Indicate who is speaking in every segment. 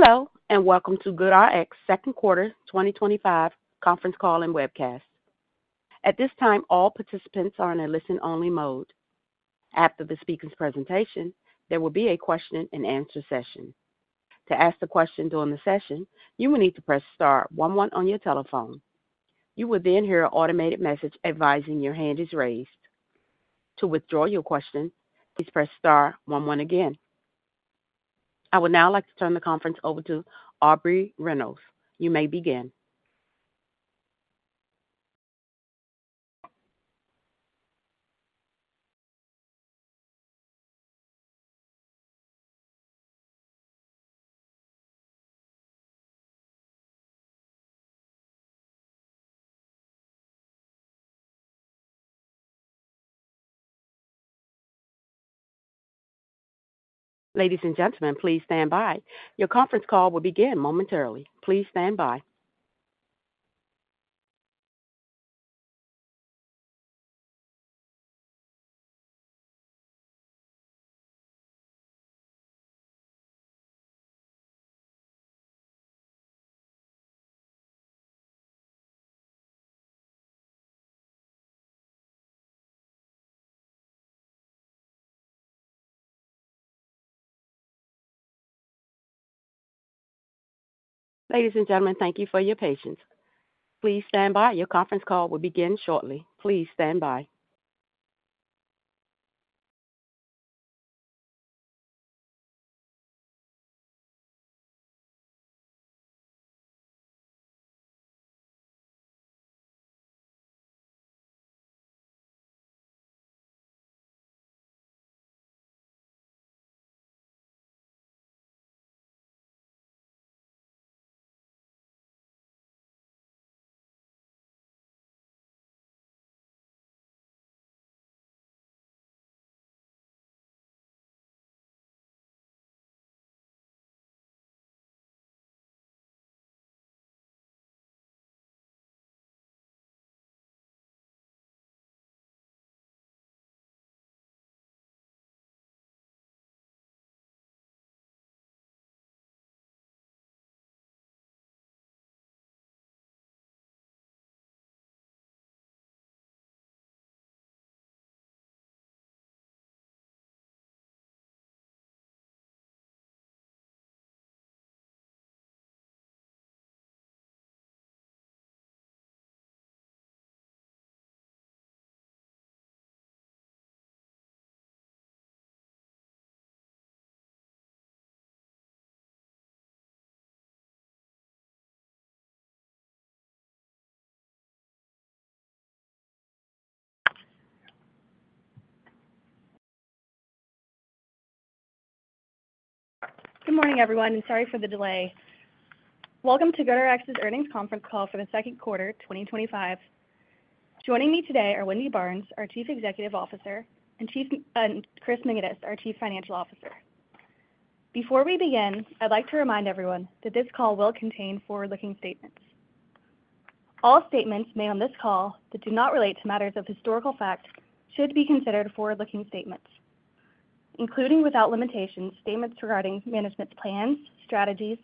Speaker 1: Hello and welcome to GoodRx second quarter 2025 conference call and webcast. At this time, all participants are in a listen-only mode. After the speaker's presentation, there will be a question-and-answer session. To ask a question during the session, you will need to press star one one on your telephone. You will then hear an automated message advising your hand is raised. To withdraw your question, please press star one one again. I would now like to turn the conference over to Aubrey Reynolds. You may begin. Ladies and gentlemen, please stand by. Your conference call will begin momentarily. Please stand by. Ladies and gentlemen, thank you for your patience. Please stand by. Your conference call will begin shortly. Please stand by.
Speaker 2: Good morning, everyone, and sorry for the delay. Welcome to GoodRx's earnings conference call for the second quarter 2025. Joining me today are Wendy Barnes, our Chief Executive Officer, and Chris McGinnis, our Chief Financial Officer. Before we begin, I'd like to remind everyone that this call will contain forward-looking statements. All statements made on this call that do not relate to matters of historical fact should be considered forward-looking statements, including without limitation statements regarding management's plans, strategies,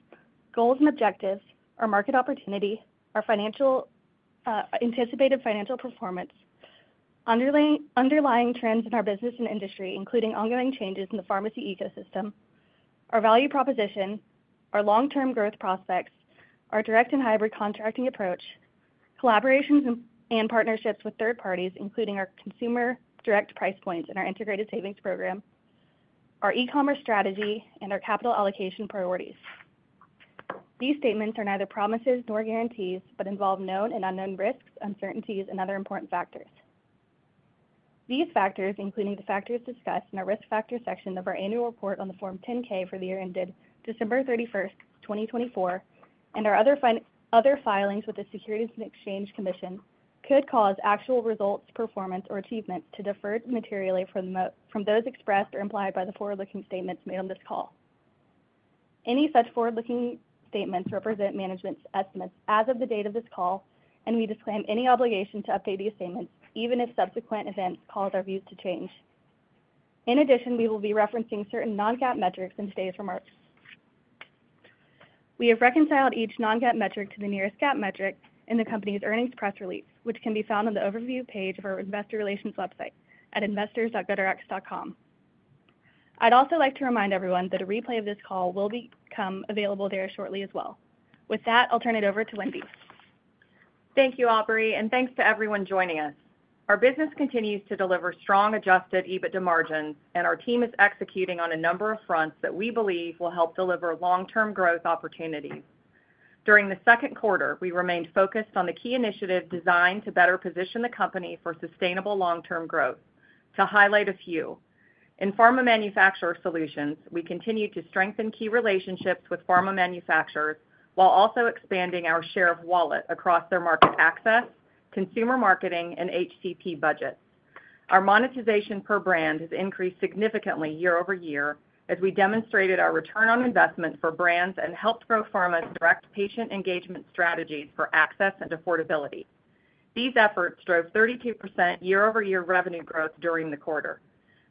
Speaker 2: goals and objectives, our market opportunity, our anticipated financial performance, underlying trends in our business and industry, including ongoing changes in the pharmacy ecosystem, our value proposition, our long-term growth prospects, our direct and hybrid contracting approach, collaborations and partnerships with third parties, including our consumer direct price points and our Integrated Savings Program, our e-commerce strategy, and our capital allocation priorities. These statements are neither promises nor guarantees, but involve known and unknown risks, uncertainties, and other important factors. These factors, including the factors discussed in our risk factor section of our annual report on the Form 10-K for the year ended December 31, 2024, and our other filings with the Securities and Exchange Commission, could cause actual results, performance, or achievement to differ materially from those expressed or implied by the forward-looking statements made on this call. Any such forward-looking statements represent management's estimates as of the date of this call, and we disclaim any obligation to update these statements, even if subsequent events cause our views to change. In addition, we will be referencing certain non-GAAP metrics in today's remarks. We have reconciled each non-GAAP metric to the nearest GAAP metric in the company's earnings press release, which can be found on the overview page of our investor relations website at investors.goodrx.com. I'd also like to remind everyone that a replay of this call will become available there shortly as well. With that, I'll turn it over to Wendy.
Speaker 3: Thank you, Aubrey, and thanks to everyone joining us. Our business continues to deliver strong Adjusted EBITDA margins, and our team is executing on a number of fronts that we believe will help deliver long-term growth opportunities. During the second quarter, we remained focused on the key initiatives designed to better position the company for sustainable long-term growth. To highlight a few, in Pharma Manufacturer Solutions, we continued to strengthen key relationships with pharma manufacturers while also expanding our share of wallet across their market access, consumer marketing, and HCP budgets. Our monetization per brand has increased significantly year-over-year as we demonstrated our return on investment for brands and helped grow pharma's direct patient engagement strategies for access and affordability. These efforts drove 32% year-over-year revenue growth during the quarter.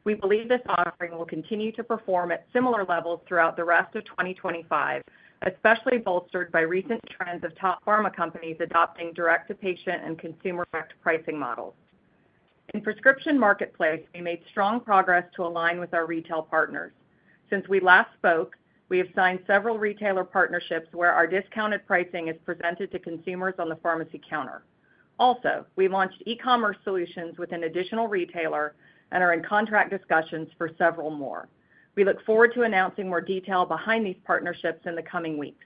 Speaker 3: We believe this offering will continue to perform at similar levels throughout the rest of 2025, especially bolstered by recent trends of top pharma companies adopting direct-to-patient and consumer-pricing models. In prescription marketplace, we made strong progress to align with our retail partners. Since we last spoke, we have signed several retailer partnerships where our discounted pricing is presented to consumers on the pharmacy counter. We launched e-commerce solutions with an additional retailer and are in contract discussions for several more. We look forward to announcing more detail behind these partnerships in the coming weeks.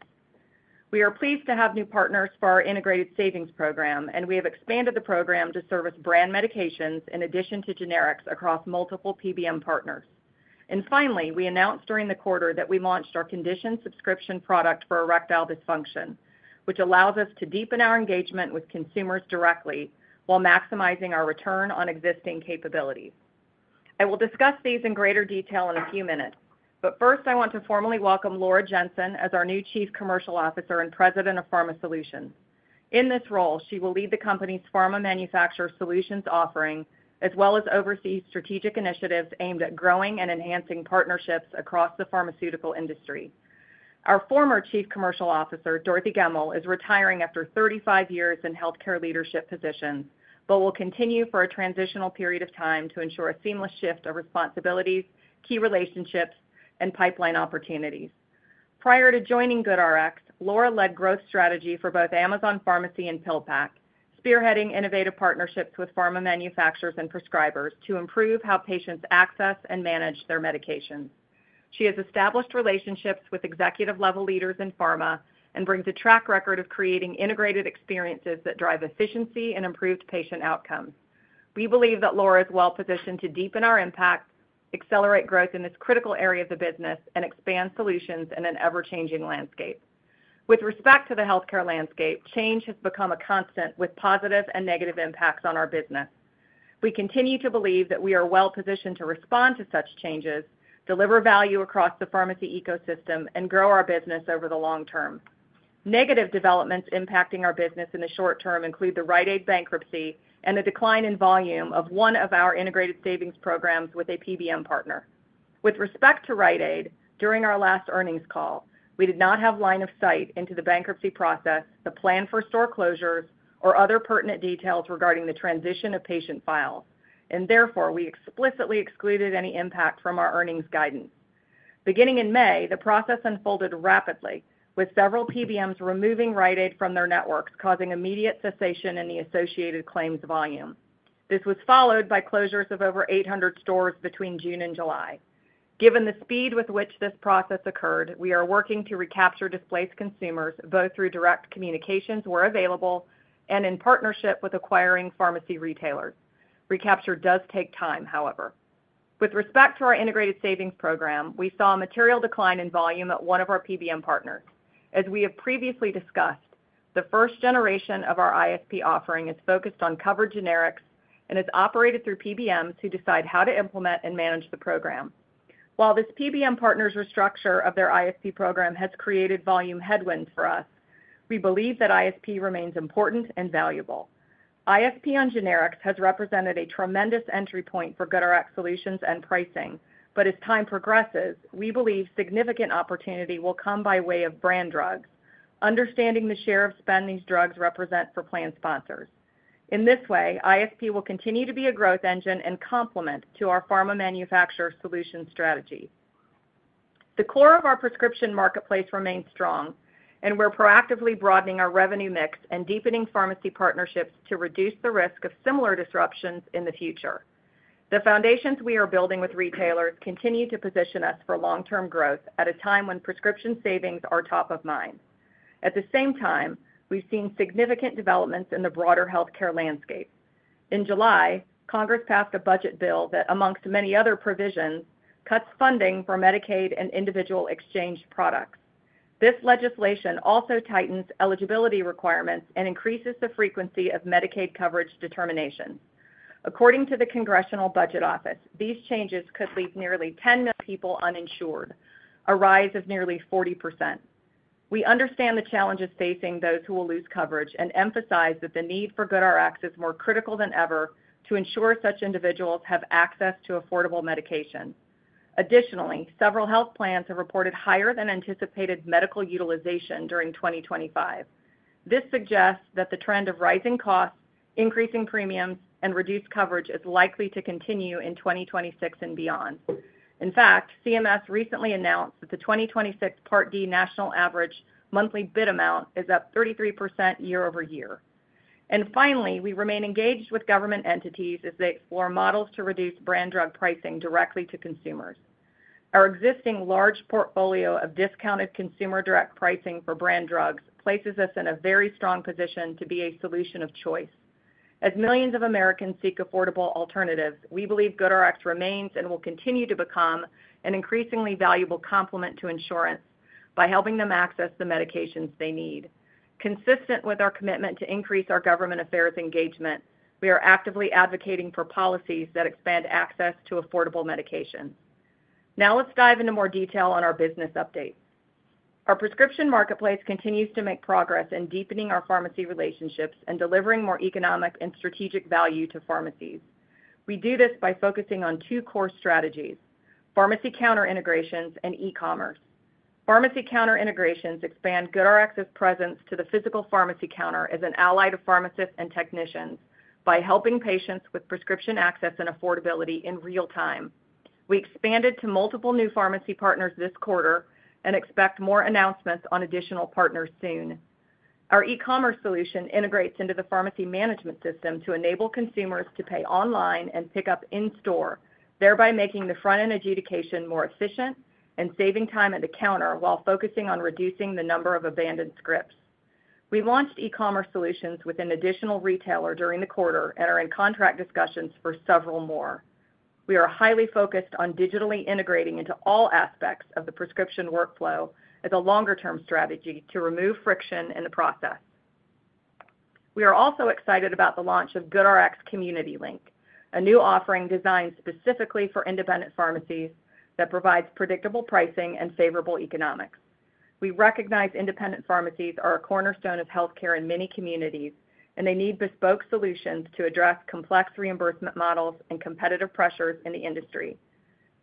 Speaker 3: We are pleased to have new partners for our Integrated Savings Program, and we have expanded the program to service brand medications in addition to generics across multiple PBM partners. Finally, we announced during the quarter that we launched our condition subscription product for erectile dysfunction, which allows us to deepen our engagement with consumers directly while maximizing our return on existing capabilities. I will discuss these in greater detail in a few minutes, but first, I want to formally welcome Laura Jensen as our new Chief Commercial Officer and President of Pharma Solutions. In this role, she will lead the company's Pharma Manufacturer Solutions offering, as well as oversee strategic initiatives aimed at growing and enhancing partnerships across the pharmaceutical industry. Our former Chief Commercial Officer, Dorothy Gemmell, is retiring after 35 years in healthcare leadership positions, but will continue for a transitional period of time to ensure a seamless shift of responsibilities, key relationships, and pipeline opportunities. Prior to joining GoodRx, Laura led growth strategy for both Amazon Pharmacy and PillPack, spearheading innovative partnerships with pharma manufacturers and prescribers to improve how patients access and manage their medications. She has established relationships with executive-level leaders in pharma and brings a track record of creating integrated experiences that drive efficiency and improved patient outcomes. We believe that Laura is well-positioned to deepen our impact, accelerate growth in this critical area of the business, and expand solutions in an ever-changing landscape. With respect to the healthcare landscape, change has become a constant with positive and negative impacts on our business. We continue to believe that we are well-positioned to respond to such changes, deliver value across the pharmacy ecosystem, and grow our business over the long term. Negative developments impacting our business in the short term include the Rite Aid bankruptcy and the decline in volume of one of our Integrated Savings Programs with a PBM partner. With respect to Rite Aid, during our last earnings call, we did not have line of sight into the bankruptcy process, the plan for store closures, or other pertinent details regarding the transition of patient files, and therefore we explicitly excluded any impact from our earnings guidance. Beginning in May, the process unfolded rapidly, with several PBMs removing Rite Aid from their networks, causing immediate cessation in the associated claims volume. This was followed by closures of over 800 stores between June and July. Given the speed with which this process occurred, we are working to recapture displaced consumers, both through direct communications where available and in partnership with acquiring pharmacy retailers. Recapture does take time, however. With respect to our Integrated Savings Program, we saw a material decline in volume at one of our PBM partners. As we have previously discussed, the first generation of our ISP offering is focused on covered generics and is operated through PBMs who decide how to implement and manage the program. While this PBM partner's restructure of their ISP program has created volume headwinds for us, we believe that ISP remains important and valuable. ISP on generics has represented a tremendous entry point for GoodRx Solutions and pricing, but as time progresses, we believe significant opportunity will come by way of brand drugs, understanding the share of spend these drugs represent for plan sponsors. In this way, ISP will continue to be a growth engine and complement to our Pharma Manufacturer Solutions strategy. The core of our prescription marketplace remains strong, and we're proactively broadening our revenue mix and deepening pharmacy partnerships to reduce the risk of similar disruptions in the future. The foundations we are building with retailers continue to position us for long-term growth at a time when prescription savings are top of mind. At the same time, we've seen significant developments in the broader healthcare landscape. In July, Congress passed a budget bill that, amongst many other provisions, cuts funding for Medicaid and individual exchange products. This legislation also tightens eligibility requirements and increases the frequency of Medicaid coverage determinations. According to the Congressional Budget Office, these changes could leave nearly 10 million people uninsured, a rise of nearly 40%. We understand the challenges facing those who will lose coverage and emphasize that the need for GoodRx is more critical than ever to ensure such individuals have access to affordable medication. Additionally, several health plans have reported higher than anticipated medical utilization during 2025. This suggests that the trend of rising costs, increasing premiums, and reduced coverage is likely to continue in 2026 and beyond. In fact, CMS recently announced that the 2026 Part D national average monthly bid amount is up 33% year-over-year. Finally, we remain engaged with government entities as they explore models to reduce brand drug pricing directly to consumers. Our existing large portfolio of discounted consumer direct pricing for brand drugs places us in a very strong position to be a solution of choice. As millions of Americans seek affordable alternatives, we believe GoodRx remains and will continue to become an increasingly valuable complement to insurance by helping them access the medications they need. Consistent with our commitment to increase our government affairs engagement, we are actively advocating for policies that expand access to affordable medication. Now let's dive into more detail on our business updates. Our prescription marketplace continues to make progress in deepening our pharmacy relationships and delivering more economic and strategic value to pharmacies. We do this by focusing on two core strategies: pharmacy counter integrations and e-commerce. Pharmacy counter integrations expand GoodRx's presence to the physical pharmacy counter as an ally to pharmacists and technicians by helping patients with prescription access and affordability in real time. We expanded to multiple new pharmacy partners this quarter and expect more announcements on additional partners soon. Our e-commerce solution integrates into the pharmacy management system to enable consumers to pay online and pick up in-store, thereby making the front-end adjudication more efficient and saving time at the counter while focusing on reducing the number of abandoned scripts. We launched e-commerce solutions with an additional retailer during the quarter and are in contract discussions for several more. We are highly focused on digitally integrating into all aspects of the prescription workflow as a longer-term strategy to remove friction in the process. We are also excited about the launch of GoodRx Community Link, a new offering designed specifically for independent pharmacies that provides predictable pricing and favorable economics. We recognize independent pharmacies are a cornerstone of healthcare in many communities, and they need bespoke solutions to address complex reimbursement models and competitive pressures in the industry.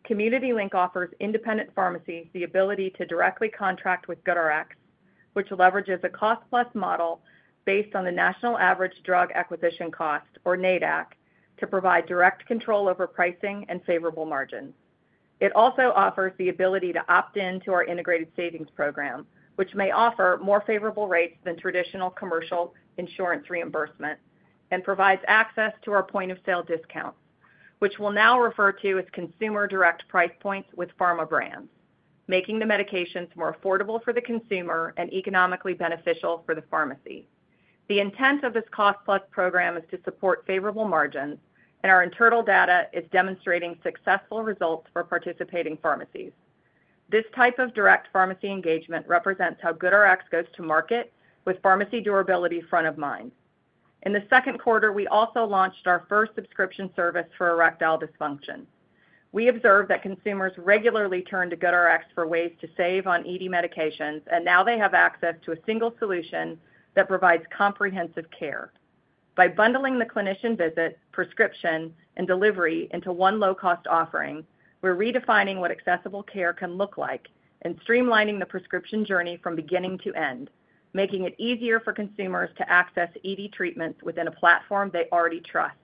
Speaker 3: Community Link offers independent pharmacies the ability to directly contract with GoodRx, which leverages a cost-plus model based on the National Average Drug Acquisition Cost, or NADAC, to provide direct control over pricing and favorable margins. It also offers the ability to opt in to our Integrated Savings Program, which may offer more favorable rates than traditional commercial insurance reimbursement, and provides access to our point-of-sale discounts, which we'll now refer to as consumer direct price points with pharma brands, making the medications more affordable for the consumer and economically beneficial for the pharmacy. The intent of this cost-plus program is to support favorable margins, and our internal data is demonstrating successful results for participating pharmacies. This type of direct pharmacy engagement represents how GoodRx goes to market with pharmacy durability front of mind. In the second quarter, we also launched our first subscription product for erectile dysfunction. We observed that consumers regularly turn to GoodRx for ways to save on ED medications, and now they have access to a single solution that provides comprehensive care. By bundling the clinician visit, prescription, and delivery into one low-cost offering, we're redefining what accessible care can look like and streamlining the prescription journey from beginning to end, making it easier for consumers to access ED treatments within a platform they already trust.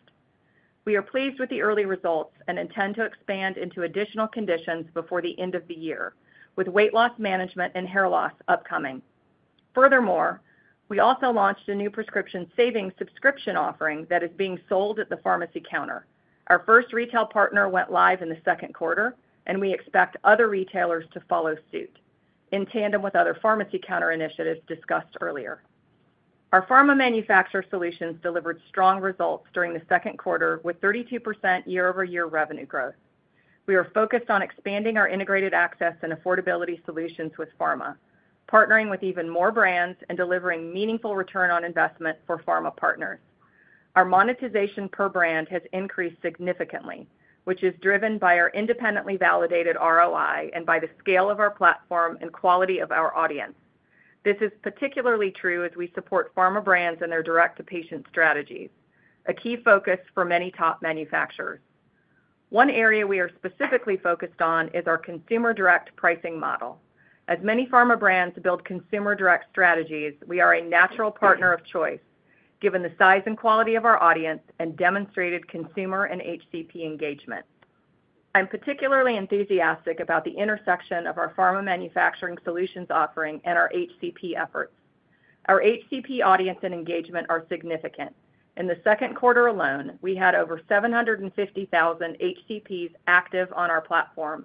Speaker 3: We are pleased with the early results and intend to expand into additional conditions before the end of the year, with weight loss and hair loss upcoming. Furthermore, we also launched a new prescription savings subscription offering that is being sold at the pharmacy counter. Our first retail partner went live in the second quarter, and we expect other retailers to follow suit, in tandem with other pharmacy counter initiatives discussed earlier. Our Pharma Manufacturer Solutions delivered strong results during the second quarter with 32% year-over-year revenue growth. We are focused on expanding our integrated access and affordability solutions with pharma, partnering with even more brands, and delivering meaningful return on investment for pharma partners. Our monetization per brand has increased significantly, which is driven by our independently validated ROI and by the scale of our platform and quality of our audience. This is particularly true as we support pharma brands and their direct-to-patient strategies, a key focus for many top manufacturers. One area we are specifically focused on is our consumer direct pricing model. As many pharma brands build consumer direct strategies, we are a natural partner of choice, given the size and quality of our audience and demonstrated consumer and HCP engagement. I'm particularly enthusiastic about the intersection of our Pharma Manufacturer Solutions offering and our HCP efforts. Our HCP audience and engagement are significant. In the second quarter alone, we had over 750,000 HCPs active on our platform.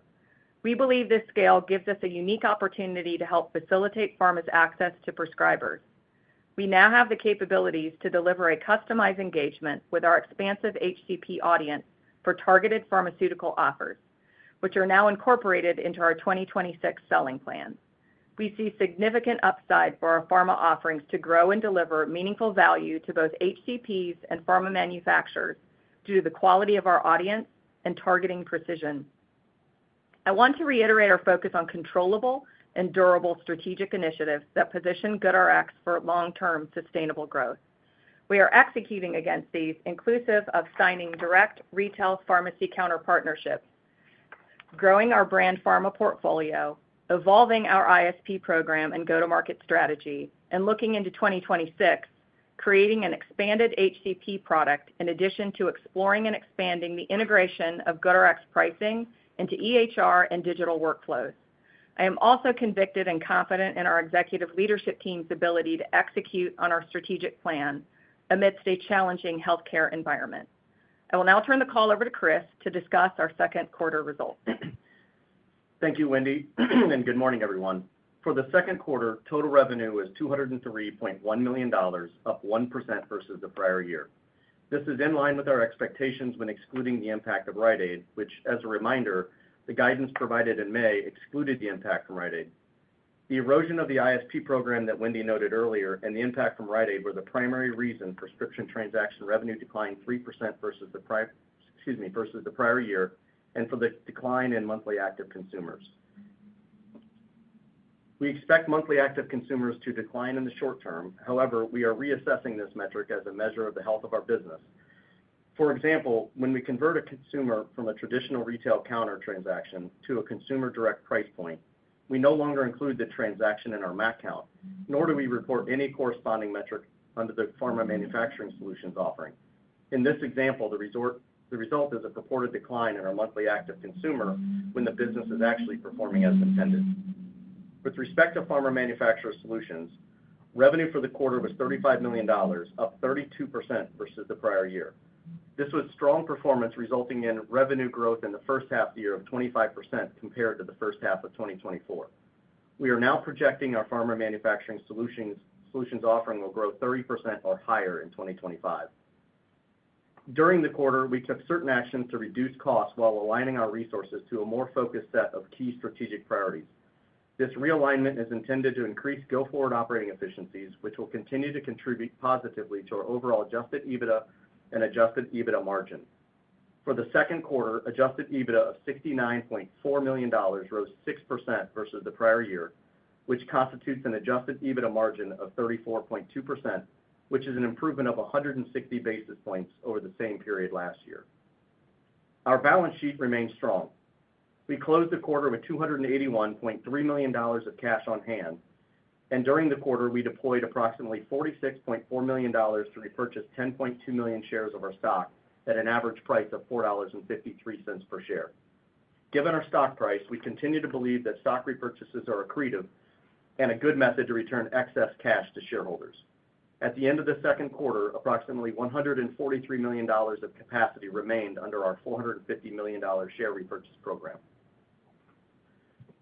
Speaker 3: We believe this scale gives us a unique opportunity to help facilitate pharma's access to prescribers. We now have the capabilities to deliver a customized engagement with our expansive HCP audience for targeted pharmaceutical offers, which are now incorporated into our 2026 selling plan. We see significant upside for our pharma offerings to grow and deliver meaningful value to both HCPs and pharma manufacturers due to the quality of our audience and targeting precision. I want to reiterate our focus on controllable and durable strategic initiatives that position GoodRx for long-term sustainable growth. We are executing against these, inclusive of signing direct retail pharmacy counter partnerships, growing our brand pharma portfolio, evolving our ISP program and go-to-market strategy, and looking into 2026, creating an expanded HCP product in addition to exploring and expanding the integration of GoodRx pricing into EHR and digital workflows. I am also convicted and confident in our executive leadership team's ability to execute on our strategic plan amidst a challenging healthcare environment. I will now turn the call over to Chris to discuss our second quarter results.
Speaker 4: Thank you, Wendy, and good morning, everyone. For the second quarter, total revenue was $203.1 million, up 1% versus the prior year. This is in line with our expectations when excluding the impact of Rite Aid, which, as a reminder, the guidance provided in May excluded the impact from Rite Aid. The erosion of the Integrated Savings Program that Wendy noted earlier and the impact from Rite Aid were the primary reason prescription transaction revenue declined 3% versus the prior year and for the decline in monthly active consumers. We expect monthly active consumers to decline in the short term. However, we are reassessing this metric as a measure of the health of our business. For example, when we convert a consumer from a traditional retail counter transaction to a consumer direct price point, we no longer include the transaction in our MAC count, nor do we report any corresponding metric under the Pharma Manufacturer Solutions offering. In this example, the result is a purported decline in our monthly active consumer when the business is actually performing as intended. With respect to Pharma Manufacturer Solutions, revenue for the quarter was $35 million, up 32% versus the prior year. This was strong performance resulting in revenue growth in the first half year of 25% compared to the first half of 2024. We are now projecting our Pharma Manufacturer Solutions offering will grow 30% or higher in 2025. During the quarter, we took certain actions to reduce costs while aligning our resources to a more focused set of key strategic priorities. This realignment is intended to increase go-forward operating efficiencies, which will continue to contribute positively to our overall Adjusted EBITDA and Adjusted EBITDA margin. For the second quarter, Adjusted EBITDA of $69.4 million rose 6% versus the prior year, which constitutes an Adjusted EBITDA margin of 34.2%, which is an improvement of 160 basis points over the same period last year. Our balance sheet remains strong. We closed the quarter with $281.3 million of cash on hand, and during the quarter, we deployed approximately $46.4 million to repurchase 10.2 million shares of our stock at an average price of $4.53 per share. Given our stock price, we continue to believe that stock repurchases are accretive and a good method to return excess cash to shareholders. At the end of the second quarter, approximately $143 million of capacity remained under our $450 million share repurchase program.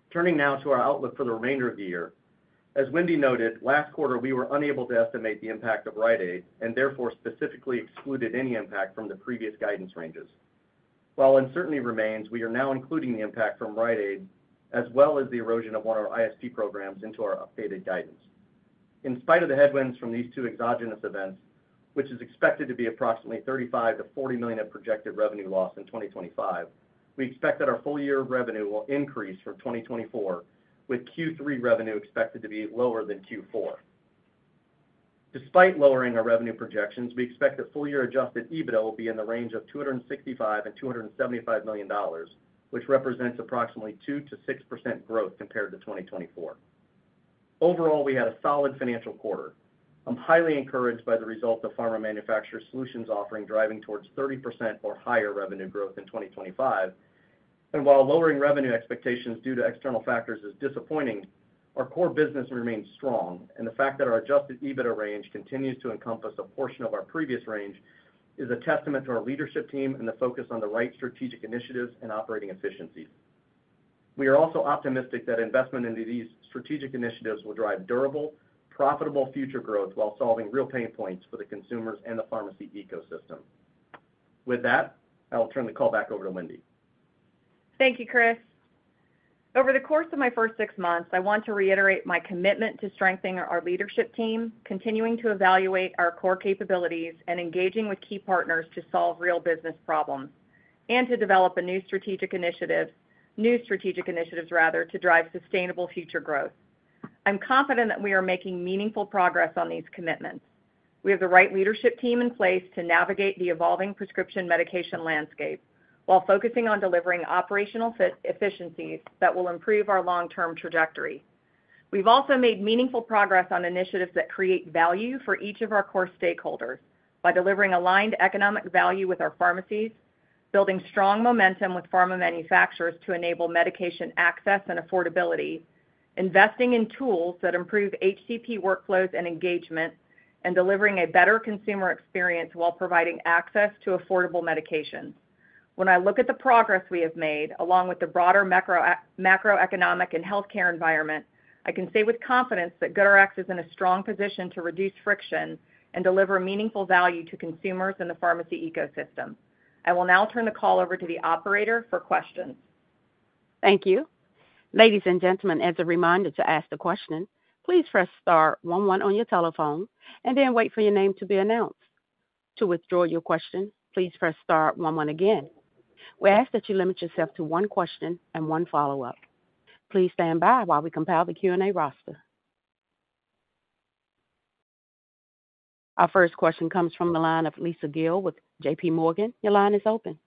Speaker 4: Turning now to our outlook for the remainder of the year, as Wendy noted, last quarter we were unable to estimate the impact of Rite Aid and therefore specifically excluded any impact from the previous guidance ranges. While uncertainty remains, we are now including the impact from Rite Aid as well as the erosion of one of our Integrated Savings Programs into our updated guidance. In spite of the headwinds from these two exogenous events, which is expected to be approximately $35 million-$40 million of projected revenue loss in 2025, we expect that our full year revenue will increase for 2024, with Q3 revenue expected to be lower than Q4. Despite lowering our revenue projections, we expect that full year Adjusted EBITDA will be in the range of $265 million and $275 million, which represents approximately 2%-6% growth compared to 2024. Overall, we had a solid financial quarter. I'm highly encouraged by the results of Pharma Manufacturer Solutions offering driving towards 30% or higher revenue growth in 2025. While lowering revenue expectations due to external factors is disappointing, our core business remains strong, and the fact that our Adjusted EBITDA range continues to encompass a portion of our previous range is a testament to our leadership team and the focus on the right strategic initiatives and operating efficiency. We are also optimistic that investment into these strategic initiatives will drive durable, profitable future growth while solving real pain points for the consumers and the pharmacy ecosystem. With that, I'll turn the call back over to Wendy.
Speaker 3: Thank you, Chris. Over the course of my first six months, I want to reiterate my commitment to strengthening our leadership team, continuing to evaluate our core capabilities, and engaging with key partners to solve real business problems and to develop new strategic initiatives to drive sustainable future growth. I'm confident that we are making meaningful progress on these commitments. We have the right leadership team in place to navigate the evolving prescription medication landscape while focusing on delivering operational efficiencies that will improve our long-term trajectory. We've also made meaningful progress on initiatives that create value for each of our core stakeholders by delivering aligned economic value with our pharmacies, building strong momentum with pharma manufacturers to enable medication access and affordability, investing in tools that improve HCP workflows and engagement, and delivering a better consumer experience while providing access to affordable medications. When I look at the progress we have made, along with the broader macroeconomic and healthcare environment, I can say with confidence that GoodRx is in a strong position to reduce friction and deliver meaningful value to consumers and the pharmacy ecosystem. I will now turn the call over to the operator for questions.
Speaker 1: Thank you. Ladies and gentlemen, as a reminder to ask a question, please press star one one on your telephone and then wait for your name to be announced. To withdraw your question, please press star one one again. We ask that you limit yourself to one question and one follow-up. Please stand by while we compile the Q&A roster. Our first question comes from the line of Lisa Gill with J.P. Morgan. Your line is open.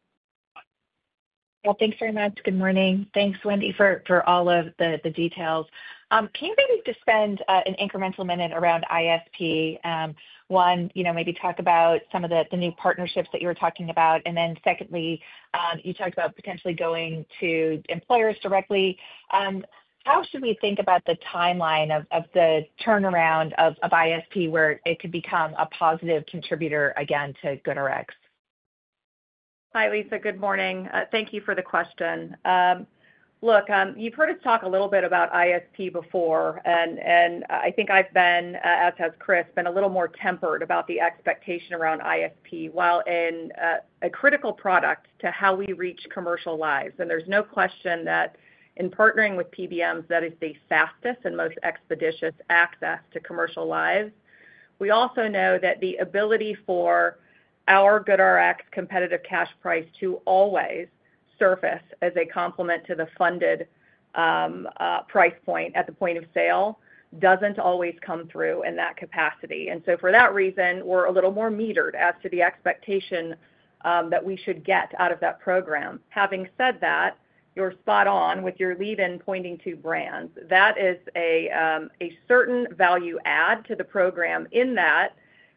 Speaker 5: Thank you very much. Good morning. Thanks, Wendy, for all of the details. Can you maybe just spend an incremental minute around ISP? One, you know, maybe talk about some of the new partnerships that you were talking about. Secondly, you talked about potentially going to employers directly. How should we think about the timeline of the turnaround of ISP where it could become a positive contributor again to GoodRx?
Speaker 3: Hi, Lisa. Good morning. Thank you for the question. Look, you've heard us talk a little bit about ISP before, and I think I've been, as has Chris, a little more tempered about the expectation around ISP while in a critical product to how we reach commercial lives. There's no question that in partnering with PBMs, that is the fastest and most expeditious access to commercial lives. We also know that the ability for our GoodRx competitive cash price to always surface as a complement to the funded price point at the point of sale doesn't always come through in that capacity. For that reason, we're a little more metered as to the expectation that we should get out of that program. Having said that, you're spot on with your lead-in pointing to brands. That is a certain value add to the program in that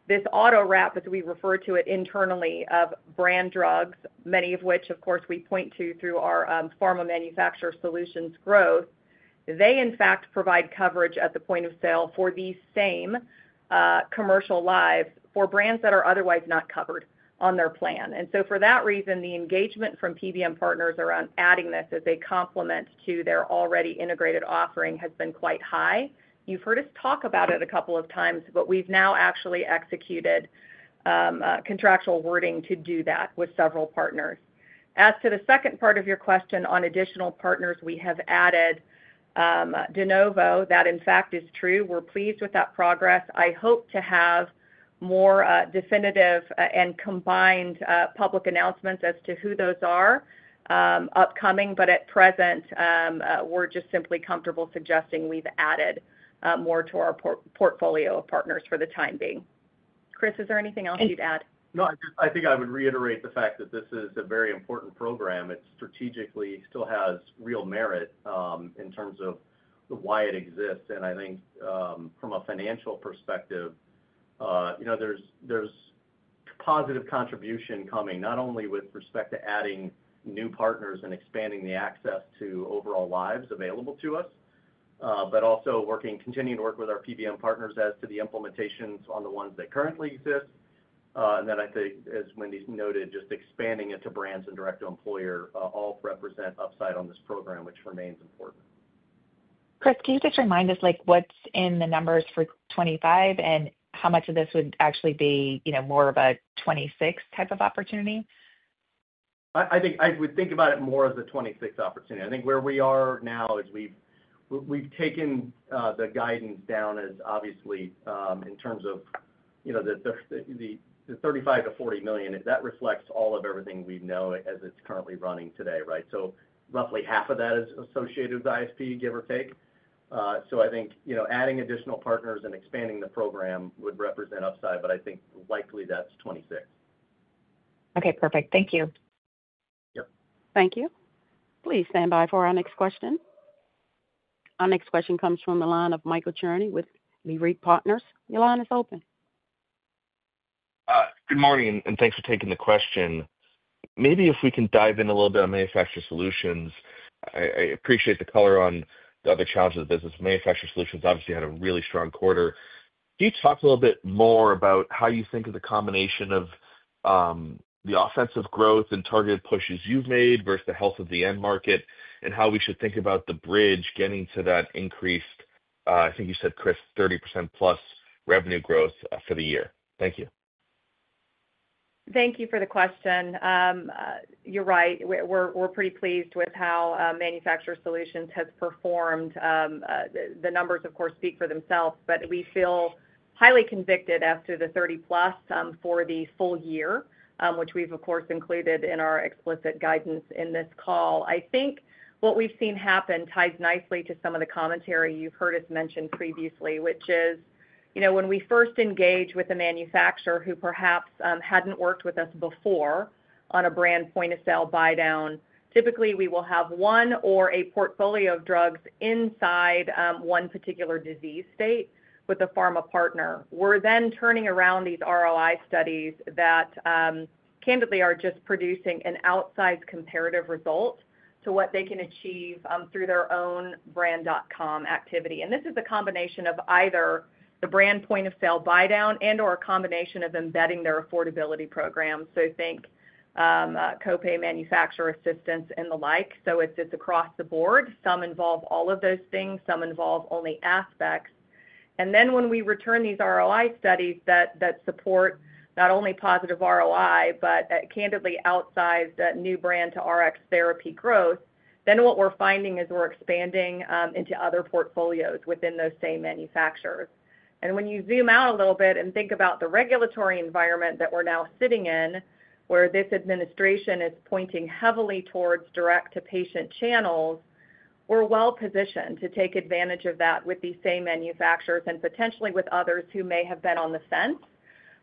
Speaker 3: this auto-wrap, as we refer to it internally, of brand drugs, many of which, of course, we point to through our Pharma Manufacturer Solutions growth. They, in fact, provide coverage at the point of sale for these same commercial lives for brands that are otherwise not covered on their plan. For that reason, the engagement from PBM partners around adding this as a complement to their already integrated offering has been quite high. You've heard us talk about it a couple of times, but we've now actually executed contractual wording to do that with several partners. As to the second part of your question on additional partners, we have added De Novo. That, in fact, is true. We're pleased with that progress. I hope to have more definitive and combined public announcements as to who those are upcoming, but at present, we're just simply comfortable suggesting we've added more to our portfolio of partners for the time being. Chris, is there anything else you'd add?
Speaker 4: No, I think I would reiterate the fact that this is a very important program. It strategically still has real merit in terms of why it exists. I think from a financial perspective, there's positive contribution coming not only with respect to adding new partners and expanding the access to overall lives available to us, but also continuing to work with our PBM partners as to the implementations on the ones that currently exist. I think, as Wendy noted, just expanding it to brands and direct-to-employer all represent upside on this program, which remains important.
Speaker 5: Chris, can you just remind us what's in the numbers for 2025 and how much of this would actually be more of a 2026 type of opportunity?
Speaker 4: I think I would think about it more as a 2026 opportunity. I think where we are now is we've taken the guidance down, as obviously in terms of, you know, the $35 million-$40 million. That reflects all of everything we know as it's currently running today, right? Roughly half of that is associated with ISP, give or take. I think adding additional partners and expanding the program would represent upside, but I think likely that's 2026.
Speaker 5: Okay. Perfect. Thank you.
Speaker 4: Yep.
Speaker 1: Thank you. Please stand by for our next question. Our next question comes from the line of Michael Cherny with Leerink Partners. Your line is open.
Speaker 6: Good morning, and thanks for taking the question. Maybe if we can dive in a little bit on manufacturer solutions, I appreciate the color on the other challenges of the business. Manufacturer solutions obviously had a really strong quarter. Can you talk a little bit more about how you think of the combination of the offensive growth and targeted pushes you've made versus the health of the end market and how we should think about the bridge getting to that increased, I think you said, Chris, 30%+ revenue growth for the year? Thank you.
Speaker 3: Thank you for the question. You're right. We're pretty pleased with how manufacturer solutions has performed. The numbers, of course, speak for themselves, but we feel highly convicted as to the 30%+ for the full year, which we've, of course, included in our explicit guidance in this call. I think what we've seen happen ties nicely to some of the commentary you've heard us mention previously, which is, you know, when we first engage with a manufacturer who perhaps hadn't worked with us before on a brand point-of-sale buy-down, typically we will have one or a portfolio of drugs inside one particular disease state with a pharma partner. We're then turning around these ROI studies that candidly are just producing an outsized comparative result to what they can achieve through their own brand.com activity. This is a combination of either the brand point-of-sale buy-down and/or a combination of embedding their affordability program. Think copay manufacturer assistance and the like. It's across the board. Some involve all of those things. Some involve only aspects. When we return these ROI studies that support not only positive ROI, but candidly outsized new brand to Rx therapy growth, what we're finding is we're expanding into other portfolios within those same manufacturers. When you zoom out a little bit and think about the regulatory environment that we're now sitting in, where this administration is pointing heavily towards direct-to-patient channels, we're well positioned to take advantage of that with these same manufacturers and potentially with others who may have been on the fence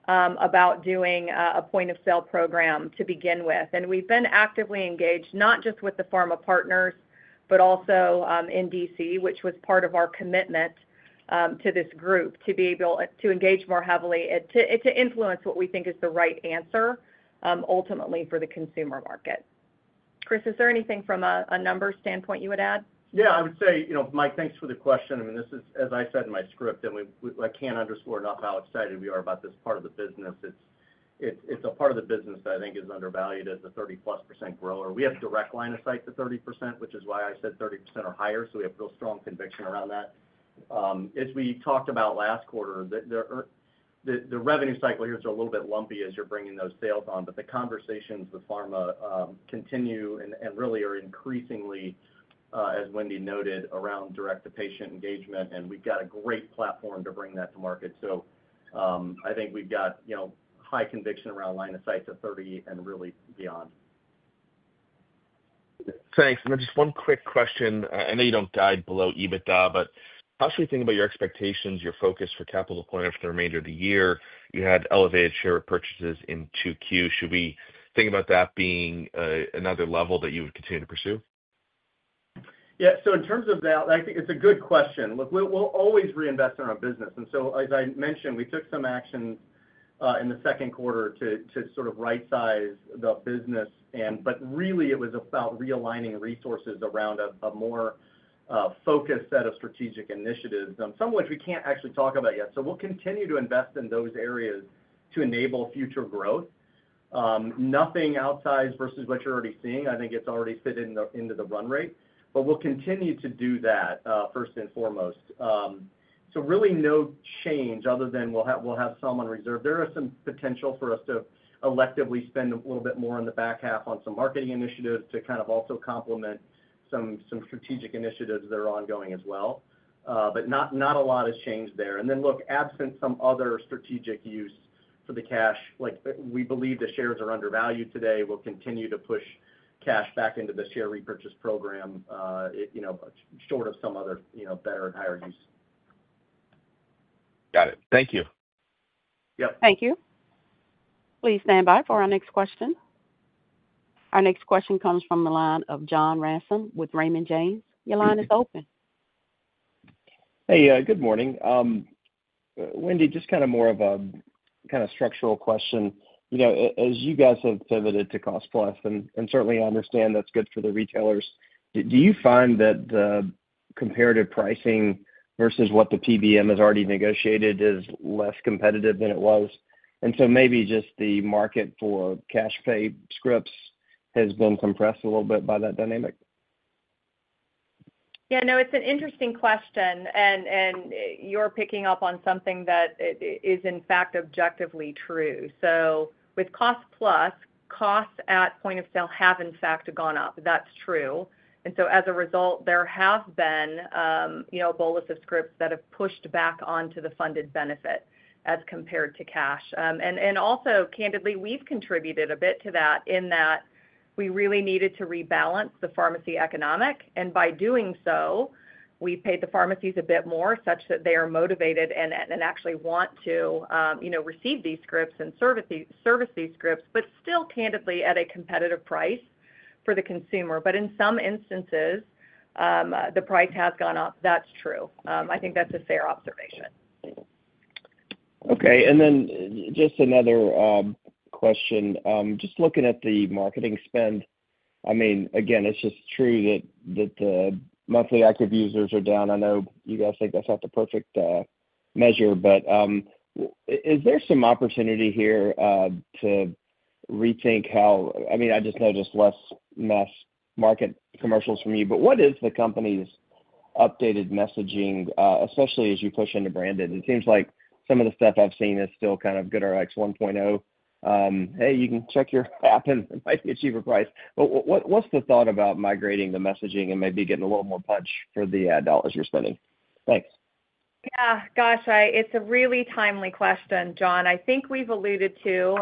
Speaker 3: about doing a point-of-sale program to begin with. We've been actively engaged not just with the pharma partners, but also in D.C., which was part of our commitment to this group to be able to engage more heavily and to influence what we think is the right answer ultimately for the consumer market. Chris, is there anything from a numbers standpoint you would add?
Speaker 4: Yeah, I would say, you know, Mike, thanks for the question. I mean, this is, as I said in my script, and I can't underscore enough how excited we are about this part of the business. It's a part of the business that I think is undervalued as a 30+% grower. We have direct line of sight to 30%, which is why I said 30% or higher. We have real strong conviction around that. As we talked about last quarter, the revenue cycle here is a little bit lumpy as you're bringing those sales on, but the conversations with pharma continue and really are increasingly, as Wendy noted, around direct-to-patient engagement, and we've got a great platform to bring that to market. I think we've got, you know, high conviction around line of sight to 30 and really beyond.
Speaker 6: Thanks. Just one quick question. I know you don't dive below EBITDA, but how should we think about your expectations, your focus for capital deployment for the remainder of the year? You had elevated share repurchases in Q2. Should we think about that being another level that you would continue to pursue?
Speaker 4: Yeah. In terms of that, I think it's a good question. Look, we'll always reinvest in our business. As I mentioned, we took some action in the second quarter to sort of right-size the business, but really, it was about realigning resources around a more focused set of strategic initiatives, some of which we can't actually talk about yet. We'll continue to invest in those areas to enable future growth. Nothing outsized versus what you're already seeing. I think it's already fit into the run rate, but we'll continue to do that first and foremost. Really, no change other than we'll have some on reserve. There is some potential for us to electively spend a little bit more on the back half on some marketing initiatives to kind of also complement some strategic initiatives that are ongoing as well, but not a lot has changed there. Absent some other strategic use for the cash, like we believe the shares are undervalued today, we'll continue to push cash back into the share repurchase program, short of some other, you know, better and higher use.
Speaker 6: Got it. Thank you.
Speaker 4: Yep.
Speaker 1: Thank you. Please stand by for our next question. Our next question comes from the line of John Ransom with Raymond James. Your line is open.
Speaker 7: Hey, good morning. Wendy, just kind of more of a structural question. You know, as you guys have pivoted to cost-plus, and certainly, I understand that's good for the retailers, do you find that the comparative pricing versus what the PBM has already negotiated is less competitive than it was? Maybe just the market for cash pay scripts has been compressed a little bit by that dynamic?
Speaker 3: Yeah, no, it's an interesting question. You're picking up on something that is, in fact, objectively true. With cost-plus, costs at point of sale have, in fact, gone up. That's true. As a result, there have been a bolus of scripts that have pushed back onto the funded benefit as compared to cash. Also, candidly, we've contributed a bit to that in that we really needed to rebalance the pharmacy economic. By doing so, we paid the pharmacies a bit more such that they are motivated and actually want to receive these scripts and service these scripts, but still candidly at a competitive price for the consumer. In some instances, the price has gone up. That's true. I think that's a fair observation.
Speaker 7: Okay. Just another question. Just looking at the marketing spend, it's just true that the monthly active users are down. I know you guys think that's not the perfect measure, but is there some opportunity here to rethink how, I mean, I just know just less mass market commercials from you, but what is the company's updated messaging, especially as you push into branded? It seems like some of the stuff I've seen is still kind of GoodRx 1.0. Hey, you can check your app and it might be a cheaper price. What's the thought about migrating the messaging and maybe getting a little more punch for the dollars you're spending? Thanks.
Speaker 3: Yeah, gosh, it's a really timely question, John. I think we've alluded to,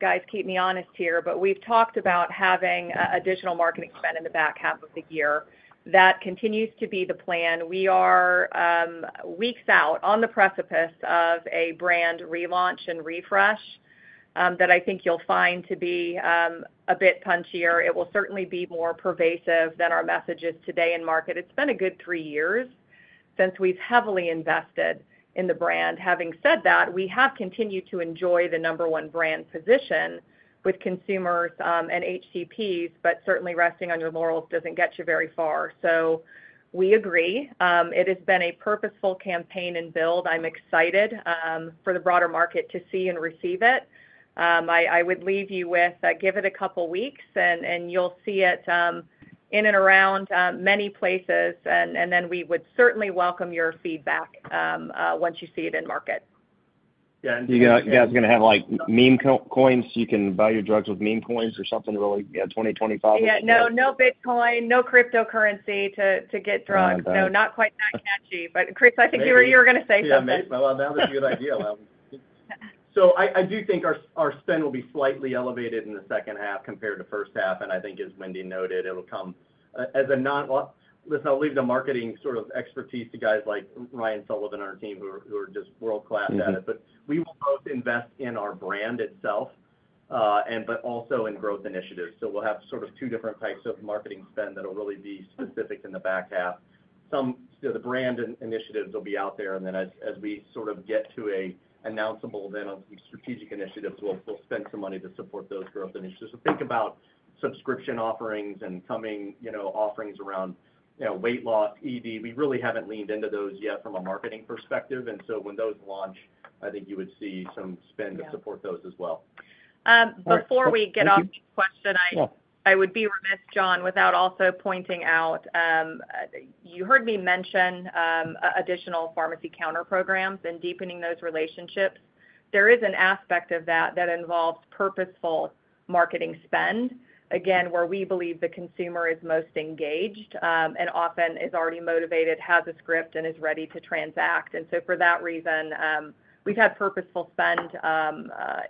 Speaker 3: guys, keep me honest here, but we've talked about having additional marketing spend in the back half of the year. That continues to be the plan. We are weeks out on the precipice of a brand relaunch and refresh that I think you'll find to be a bit punchier. It will certainly be more pervasive than our messages today in market. It's been a good three years since we've heavily invested in the brand. Having said that, we have continued to enjoy the number one brand position with consumers and HCPs, but certainly resting on your laurels doesn't get you very far. We agree. It has been a purposeful campaign and build. I'm excited for the broader market to see and receive it. I would leave you with give it a couple of weeks, and you'll see it in and around many places. We would certainly welcome your feedback once you see it in market.
Speaker 7: Yeah. Do you guys are going to have like meme coins? You can buy your drugs with meme coins or something really, yeah, 2025.
Speaker 3: Yeah, no, no Bitcoin, no cryptocurrency to get drugs. Not quite that catchy, but Chris, I think you were going to say something.
Speaker 7: That's a good idea.
Speaker 4: I do think our spend will be slightly elevated in the second half compared to the first half. As Wendy noted, it'll come as a not, listen, I'll leave the marketing expertise to guys like Ryan Sullivan and our team who are just world-class at it. We will both invest in our brand itself, but also in growth initiatives. We'll have two different types of marketing spend that'll really be specific in the back half. Some of the brand initiatives will be out there. As we get to an announceable, then strategic initiatives, we'll spend some money to support those growth initiatives. Think about subscription offerings and coming offerings around weight loss, ED. We really haven't leaned into those yet from a marketing perspective. When those launch, I think you would see some spend to support those as well.
Speaker 3: Before we get off the question, I would be remiss, John, without also pointing out, you heard me mention additional pharmacy counter programs and deepening those relationships. There is an aspect of that that involves purposeful marketing spend, where we believe the consumer is most engaged and often is already motivated, has a script, and is ready to transact. For that reason, we've had purposeful spend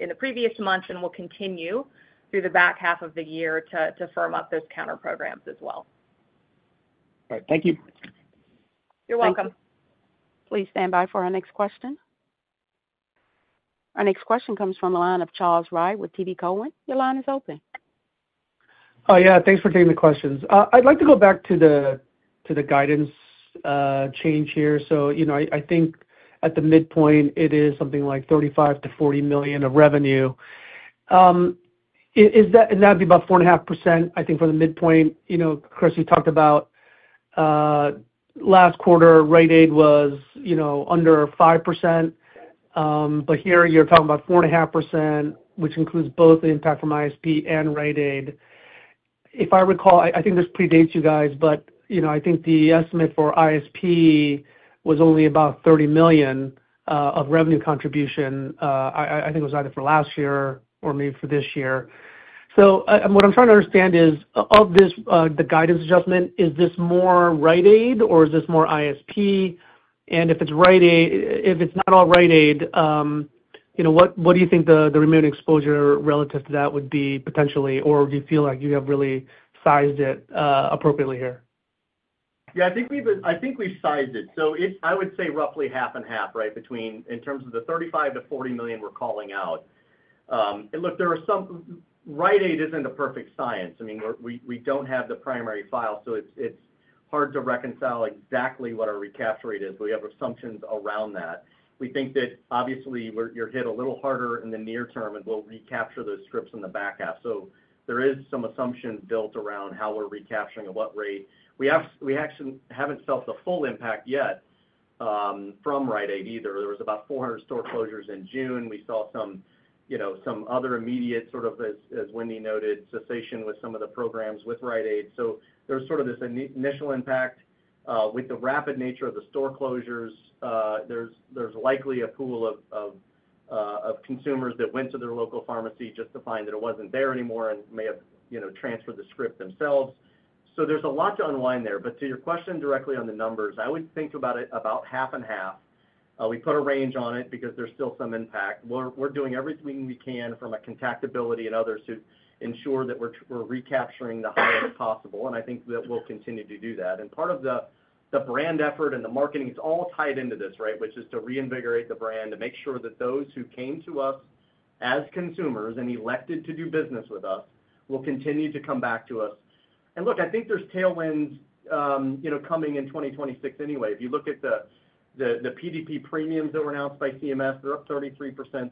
Speaker 3: in the previous months and will continue through the back half of the year to firm up those counter programs as well.
Speaker 7: All right. Thank you.
Speaker 3: You're welcome.
Speaker 1: Please stand by for our next question. Our next question comes from the line of Charles Rhyee with TD Cowen. Your line is open.
Speaker 8: Oh, yeah. Thanks for taking the questions. I'd like to go back to the guidance change here. I think at the midpoint, it is something like $35 million-$40 million of revenue, and that'd be about 4.5%, I think, for the midpoint. Chris, you talked about last quarter, Rite Aid was under 5%, but here you're talking about 4.5%, which includes both the Integrated Savings Programs and Rite Aid. If I recall, I think this predates you guys, but I think the estimate for Integrated Savings Programs was only about $30 million of revenue contribution. I think it was either for last year or maybe for this year. What I'm trying to understand is, of this, the guidance adjustment, is this more Rite Aid or is this more Integrated Savings Programs? If it's Rite Aid, if it's not all Rite Aid, what do you think the remaining exposure relative to that would be potentially, or do you feel like you have really sized it appropriately here?
Speaker 4: Yeah, I think we've sized it. It's, I would say, roughly half and half, right, between in terms of the $35 million-$40 million we're calling out. Look, Rite Aid isn't a perfect science. We don't have the primary file, so it's hard to reconcile exactly what our recapture rate is. We have assumptions around that. We think that, obviously, you're hit a little harder in the near term, and we'll recapture those scripts in the back half. There is some assumption built around how we're recapturing at what rate. We actually haven't felt the full impact yet from Rite Aid either. There were about 400 store closures in June. We saw some other immediate sort of, as Wendy noted, cessation with some of the programs with Rite Aid. There's this initial impact. With the rapid nature of the store closures, there's likely a pool of consumers that went to their local pharmacy just to find that it wasn't there anymore and may have transferred the script and filled. There's a lot to unwind there. To your question directly on the numbers, I would think about it about half and half. We put a range on it because there's still some impact. We're doing everything we can from a contactability and others to ensure that we're recapturing the highest possible. I think that we'll continue to do that. Part of the brand effort and the marketing, it's all tied into this, which is to reinvigorate the brand to make sure that those who came to us as consumers and elected to do business with us will continue to come back to us. I think there's tailwinds coming in 2026 anyway. If you look at the PDP premiums that were announced by CMS, they're up 33%.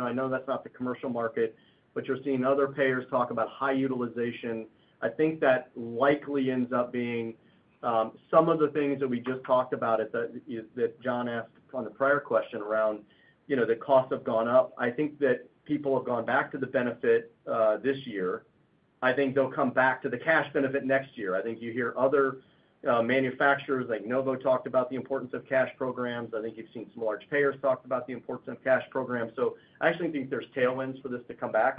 Speaker 4: I know that's not the commercial market, but you're seeing other payers talk about high utilization. I think that likely ends up being some of the things that we just talked about that John asked on the prior question around the costs have gone up. I think that people have gone back to the benefit this year. I think they'll come back to the cash benefit next year. You hear other manufacturers like Novo talked about the importance of cash programs. You've seen some large payers talk about the importance of cash programs. I actually think there's tailwinds for this to come back.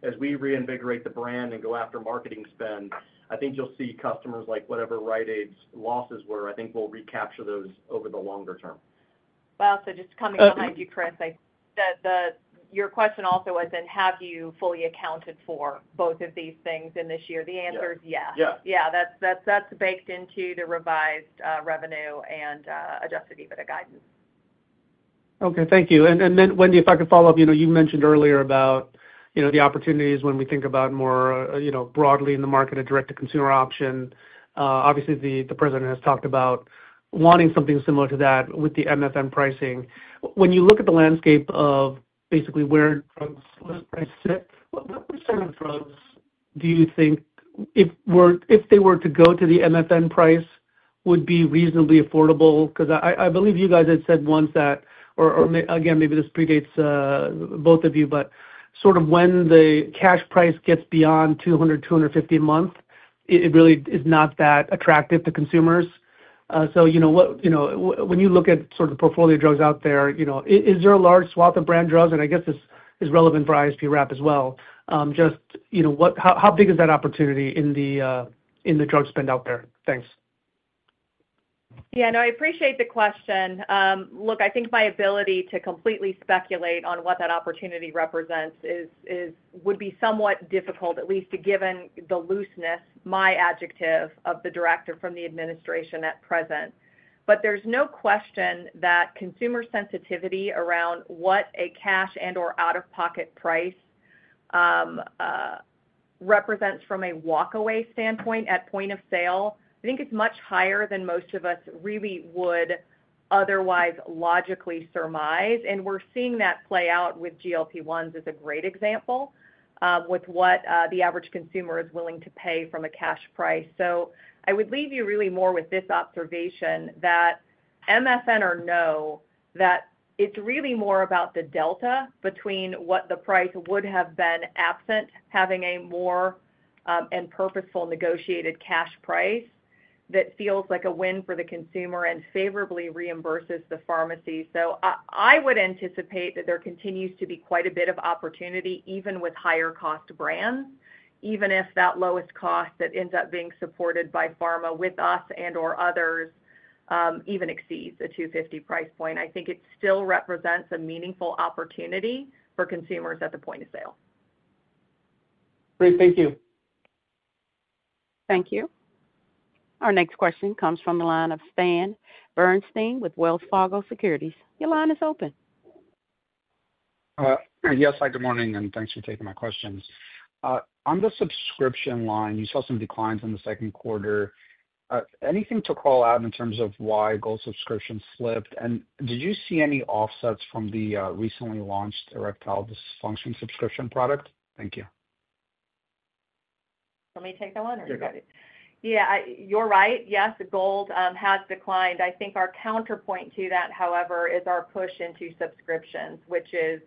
Speaker 4: As we reinvigorate the brand and go after marketing spend, I think you'll see customers like whatever Rite Aid's losses were, I think we'll recapture those over the longer term.
Speaker 3: Wow. Just coming behind you, Chris, I think that your question also was, and have you fully accounted for both of these things in this year? The answer is yeah.
Speaker 8: Yeah.
Speaker 3: That's baked into the revised revenue and Adjusted EBITDA guidance.
Speaker 8: Okay. Thank you. Wendy, if I could follow up, you mentioned earlier about the opportunities when we think about more broadly in the market, a direct-to-consumer option. Obviously, the President has talked about wanting something similar to that with the MFN pricing. When you look at the landscape of basically where things price sit, which of the drugs do you think if they were to go to the MFN price would be reasonably affordable? I believe you guys had said once that, or maybe this predates both of you, but sort of when the cash price gets beyond $200, $250 a month, it really is not that attractive to consumers. When you look at the portfolio drugs out there, is there a large swath of brand drugs? I guess this is relevant for ISP wrap as well. Just how big is that opportunity in the drug spend out there? Thanks.
Speaker 3: Yeah, no, I appreciate the question. Look, I think my ability to completely speculate on what that opportunity represents would be somewhat difficult, at least given the looseness, my adjective, of the directive from the administration at present. There's no question that consumer sensitivity around what a cash and/or out-of-pocket price represents from a walkaway standpoint at point of sale, I think it's much higher than most of us really would otherwise logically surmise. We're seeing that play out with GLP-1s, which is a great example with what the average consumer is willing to pay from a cash price. I would leave you really more with this observation that MFN or no, it's really more about the delta between what the price would have been absent having a more and purposeful negotiated cash price that feels like a win for the consumer and favorably reimburses the pharmacy. I would anticipate that there continues to be quite a bit of opportunity, even with higher cost brands, even if that lowest cost that ends up being supported by pharma with us and/or others even exceeds the $250 price point. I think it still represents a meaningful opportunity for consumers at the point of sale.
Speaker 8: Great, thank you.
Speaker 1: Thank you. Our next question comes from the line of Stan Bernstein with Wells Fargo Securities. Your line is open.
Speaker 9: Yes, hi. Good morning, and thanks for taking my questions. On the subscription line, you saw some declines in the second quarter. Anything to call out in terms of why Gold subscriptions slipped? Did you see any offsets from the recently launched erectile dysfunction subscription product? Thank you.
Speaker 3: Let me take that one, or you got it?
Speaker 4: Yeah.
Speaker 3: Yeah, you're right. Yes, the Gold has declined. I think our counterpoint to that, however, is our push into subscriptions, which is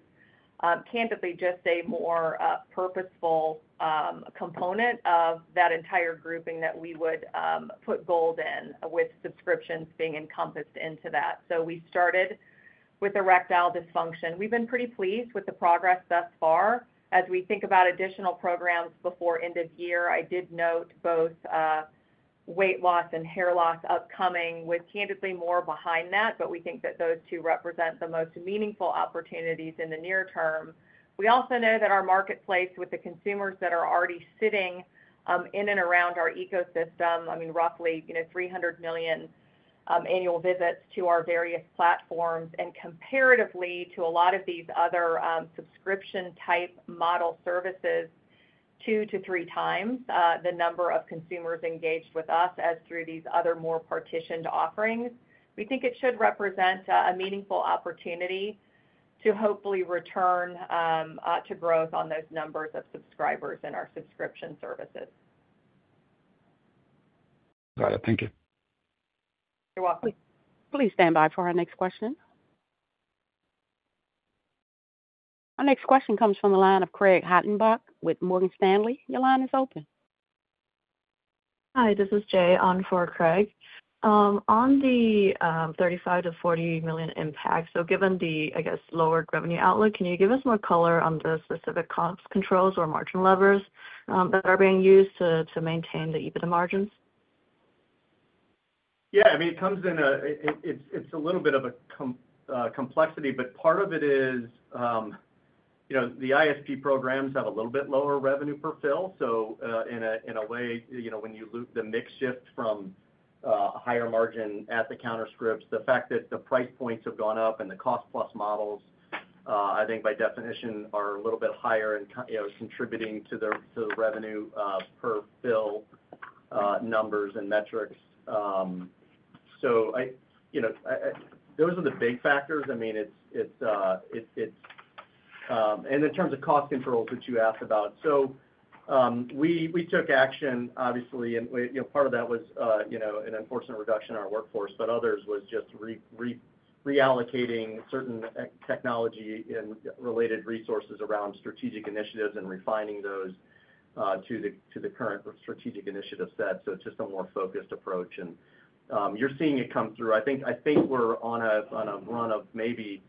Speaker 3: candidly just a more purposeful component of that entire grouping that we would put Gold in with subscriptions being encompassed into that. We started with erectile dysfunction. We've been pretty pleased with the progress thus far. As we think about additional programs before end of year, I did note both weight loss and hair loss upcoming with candidly more behind that, but we think that those two represent the most meaningful opportunities in the near term. We also know that our marketplace with the consumers that are already sitting in and around our ecosystem, I mean, roughly, you know, 300 million annual visits to our various platforms. Comparatively to a lot of these other subscription-type model services, two to three times the number of consumers engaged with us as through these other more partitioned offerings. We think it should represent a meaningful opportunity to hopefully return to growth on those numbers of subscribers in our subscription services.
Speaker 9: Got it. Thank you.
Speaker 3: You're welcome.
Speaker 1: Please stand by for our next question. Our next question comes from the line of Craig Hettenbach with Morgan Stanley. Your line is open.
Speaker 10: Hi, this is Jay on for Craig. On the $35 million-$40 million impact, given the, I guess, lower revenue outlook, can you give us more color on the specific cost controls or margin levers that are being used to maintain the EBITDA margins?
Speaker 4: Yeah, I mean, it comes in, it's a little bit of a complexity, but part of it is, you know, the ISP programs have a little bit lower revenue per fill. In a way, you know, when you look at the mix shift from a higher margin at the counter scripts, the fact that the price points have gone up and the cost-plus models, I think by definition, are a little bit higher and contributing to the revenue per fill numbers and metrics. Those are the big factors. In terms of cost controls, which you asked about, we took action, obviously, and part of that was an unfortunate reduction in our workforce, but others was just reallocating certain technology and related resources around strategic initiatives and refining those to the current strategic initiative set. It's just a more focused approach. You're seeing it come through. I think we're on a run of maybe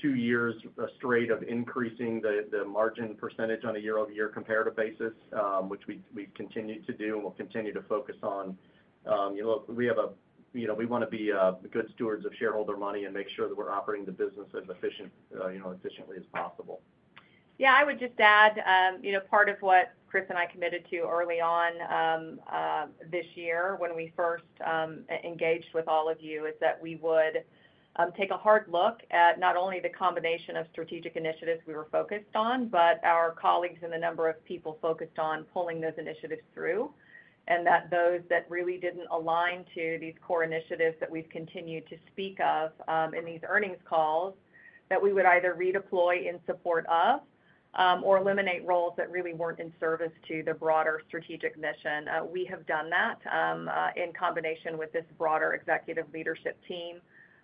Speaker 4: two years straight of increasing the margin percentage on a year-over-year comparative basis, which we've continued to do and will continue to focus on. We want to be good stewards of shareholder money and make sure that we're operating the business as efficiently as possible.
Speaker 3: I would just add, part of what Chris and I committed to early on this year when we first engaged with all of you is that we would take a hard look at not only the combination of strategic initiatives we were focused on, but our colleagues and the number of people focused on pulling those initiatives through. Those that really did not align to these core initiatives that we have continued to speak of in these earnings calls, we would either redeploy in support of or eliminate roles that really were not in service to the broader strategic mission. We have done that in combination with this broader executive leadership team,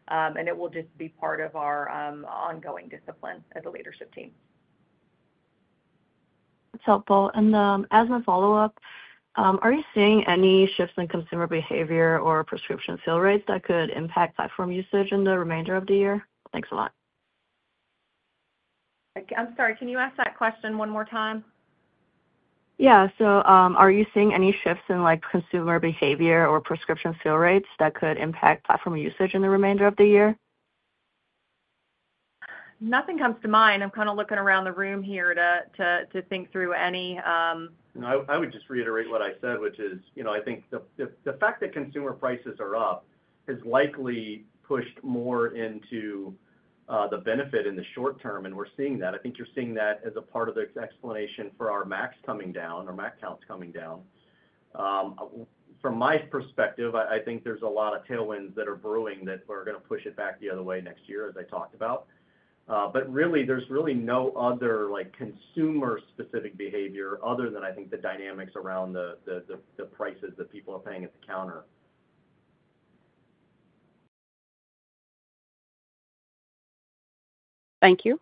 Speaker 3: and it will just be part of our ongoing discipline as a leadership team.
Speaker 10: That's helpful. As a follow-up, are you seeing any shifts in consumer behavior or prescription sale rates that could impact platform usage in the remainder of the year? Thanks a lot.
Speaker 3: I'm sorry. Can you ask that question one more time?
Speaker 10: Are you seeing any shifts in consumer behavior or prescription sale rates that could impact platform usage in the remainder of the year?
Speaker 3: Nothing comes to mind. I'm looking around the room here to think through any.
Speaker 4: No, I would just reiterate what I said, which is, you know, I think the fact that consumer prices are up has likely pushed more into the benefit in the short term, and we're seeing that. I think you're seeing that as a part of its explanation for our MAC counts coming down. From my perspective, I think there's a lot of tailwinds that are brewing that are going to push it back the other way next year, as I talked about. There's really no other consumer-specific behavior other than I think the dynamics around the prices that people are paying at the counter.
Speaker 1: Thank you.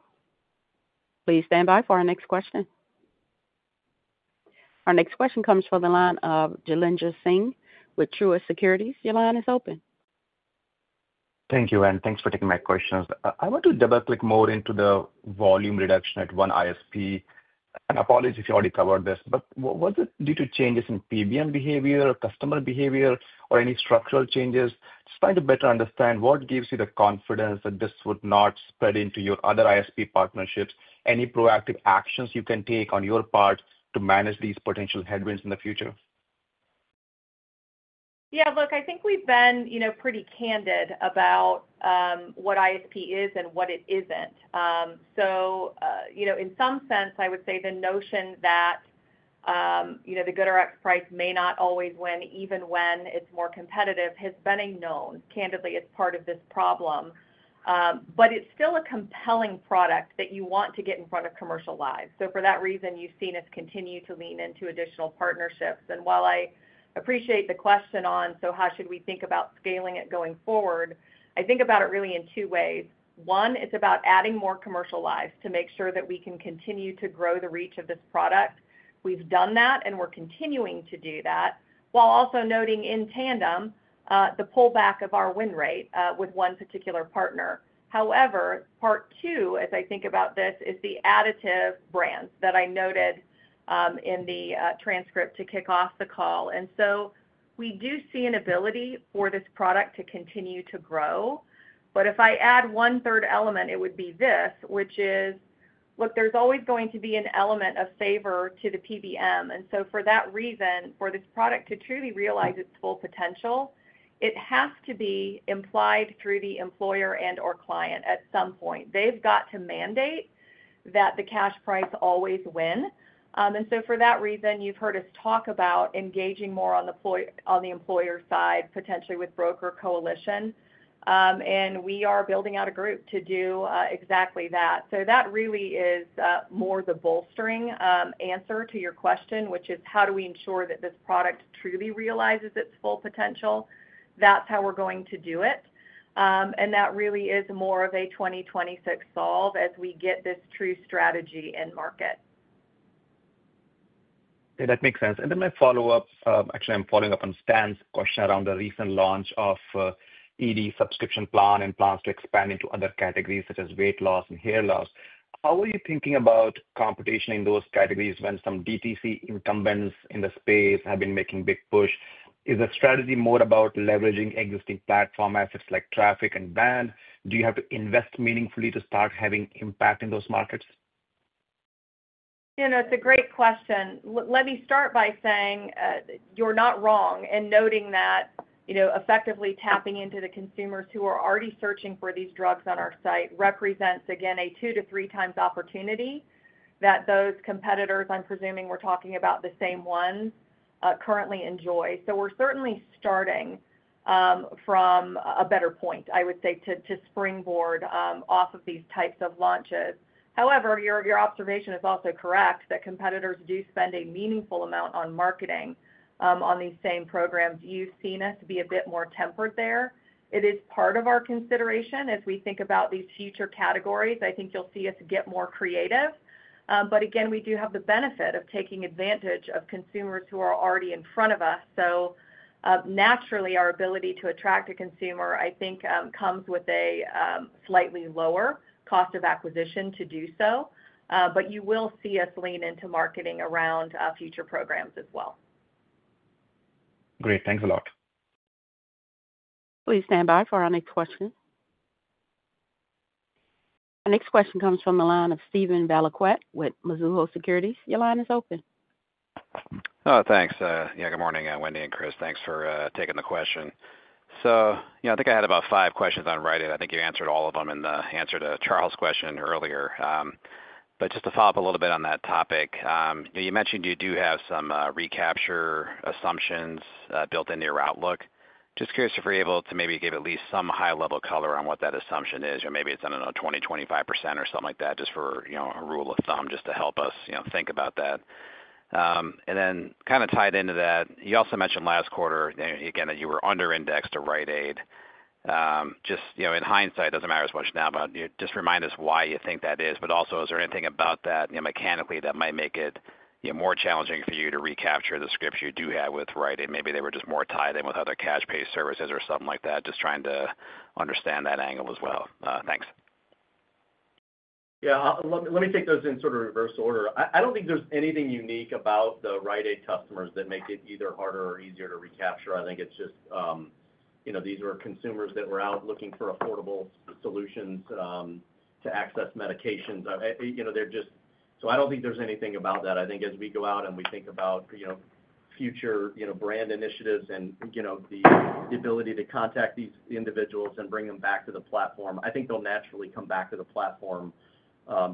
Speaker 1: Please stand by for our next question. Our next question comes from the line of Jailendra Singh with Truist Securities. Your line is open.
Speaker 11: Thank you, and thanks for taking my questions. I want to double-click more into the volume reduction at one ISP. Apologies if you already covered this, but was it due to changes in PBM behavior or customer behavior or any structural changes? Just trying to better understand what gives you the confidence that this would not spread into your other ISP partnerships. Any proactive actions you can take on your part to manage these potential headwinds in the future?
Speaker 3: Yeah, look, I think we've been pretty candid about what ISP is and what it isn't. In some sense, I would say the notion that the GoodRx price may not always win, even when it's more competitive, has been a known. Candidly, it's part of this problem. It's still a compelling product that you want to get in front of commercial lives. For that reason, you've seen us continue to lean into additional partnerships. While I appreciate the question on how should we think about scaling it going forward, I think about it really in two ways. One, it's about adding more commercial lives to make sure that we can continue to grow the reach of this product. We've done that, and we're continuing to do that, while also noting in tandem the pullback of our win rate with one particular partner. However, part two, as I think about this, is the additive brand that I noted in the transcript to kick off the call. We do see an ability for this product to continue to grow. If I add one third element, it would be this, which is, look, there's always going to be an element of favor to the PBM. For that reason, for this product to truly realize its full potential, it has to be implied through the employer and/or client at some point. They've got to mandate that the cash price always win. For that reason, you've heard us talk about engaging more on the employer side, potentially with Broker Coalition. We are building out a group to do exactly that. That really is more the bolstering answer to your question, which is how do we ensure that this product truly realizes its full potential? That's how we're going to do it. That really is more of a 2026 solve as we get this true strategy in market.
Speaker 11: Okay, that makes sense. My follow-up, actually, I'm following up on Stan's question around the recent launch of the subscription product for erectile dysfunction and plans to expand into other categories such as weight loss and hair loss. How are you thinking about competition in those categories when some DTC incumbents in the space have been making a big push? Is the strategy more about leveraging existing platform assets like traffic and brand? Do you have to invest meaningfully to start having impact in those markets?
Speaker 3: Yeah, no, it's a great question. Let me start by saying you're not wrong in noting that, you know, effectively tapping into the consumers who are already searching for these drugs on our site represents, again, a two to three times opportunity that those competitors, I'm presuming we're talking about the same ones, currently enjoy. We're certainly starting from a better point, I would say, to springboard off of these types of launches. However, your observation is also correct that competitors do spend a meaningful amount on marketing on these same programs. You've seen us be a bit more tempered there. It is part of our consideration as we think about these future categories. I think you'll see us get more creative. We do have the benefit of taking advantage of consumers who are already in front of us. Naturally, our ability to attract a consumer, I think, comes with a slightly lower cost of acquisition to do so. You will see us lean into marketing around future programs as well.
Speaker 11: Great. Thanks a lot.
Speaker 1: Please stand by for our next question. Our next question comes from the line of Steven Valliquette with Mizuho Securities. Your line is open.
Speaker 12: Oh, thanks. Yeah, good morning, Wendy and Chris. Thanks for taking the question. I think I had about five questions on Rite Aid. I think you answered all of them in the answer to Charles' question earlier. Just to follow up a little bit on that topic, you mentioned you do have some recapture assumptions built into your outlook. Just curious if you're able to maybe give at least some high-level color on what that assumption is. Maybe it's on a 20% or 25% or something like that, just for a rule of thumb, just to help us think about that. Kind of tied into that, you also mentioned last quarter, again, that you were under-indexed to Rite Aid. Just in hindsight, it doesn't matter as much now, but just remind us why you think that is. Also, is there anything about that mechanically that might make it more challenging for you to recapture the scripts you do have with Rite Aid? Maybe they were just more tied in with other cash-paid services or something like that, just trying to understand that angle as well. Thanks.
Speaker 4: Let me take those in sort of reverse order. I don't think there's anything unique about the Rite Aid customers that make it either harder or easier to recapture. I think it's just, you know, these were consumers that were out looking for affordable solutions to access medications. They're just, I don't think there's anything about that. As we go out and we think about future brand initiatives and the ability to contact these individuals and bring them back to the platform, I think they'll naturally come back to the platform.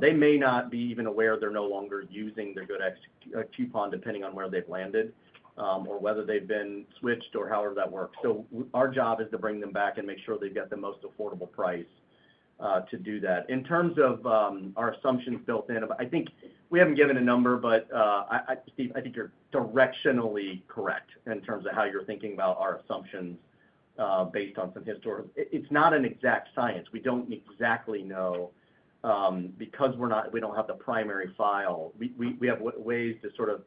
Speaker 4: They may not be even aware they're no longer using their GoodRx coupon depending on where they've landed or whether they've been switched or however that works. Our job is to bring them back and make sure they've got the most affordable price to do that. In terms of our assumptions built in, we haven't given a number, but I think you're directionally correct in terms of how you're thinking about our assumptions based on some historical, it's not an exact science. We don't exactly know because we don't have the primary file. We have ways to sort of